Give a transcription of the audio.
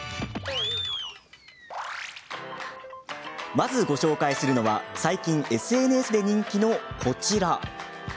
まずご紹介するのは最近ＳＮＳで人気のこちら。